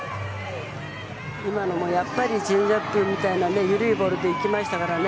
今のもチェンジアップみたいな緩いボールでいきましたからね。